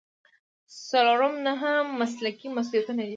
څلورم نهه مسلکي مسؤلیتونه دي.